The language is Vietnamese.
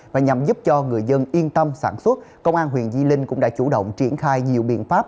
và nhằm giúp cho người dân yên tâm sản xuất công an huyện di linh cũng đã chủ động triển khai nhiều biện pháp